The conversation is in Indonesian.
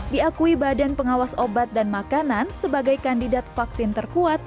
diakui badan pengawas obat dan makanan sebagai kandidat vaksin terkuat